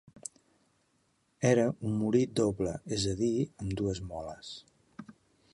Era un molí doble, és a dir, amb dues moles.